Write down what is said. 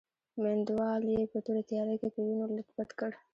میوندوال یې په توره تیاره کې په وینو لت پت کړ.